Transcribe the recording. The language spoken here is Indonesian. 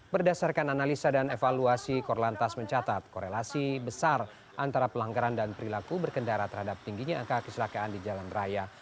berdasarkan analisa dan evaluasi korlantas mencatat korelasi besar antara pelanggaran dan perilaku berkendara terhadap tingginya angka keselakaan di jalan raya